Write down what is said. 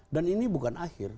dan ini bukan akhir